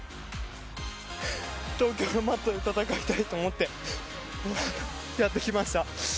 東京のマットで戦いたいと思って、やってきました。